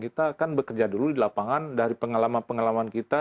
kita kan bekerja dulu di lapangan dari pengalaman pengalaman kita